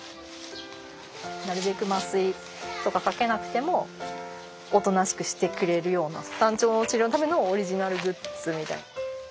なるべく麻酔とかかけなくてもおとなしくしてくれるようなタンチョウの治療のためのオリジナルグッズみたいな。